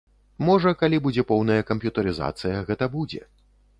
Можа, калі будзе поўная камп'ютарызацыя, гэта будзе.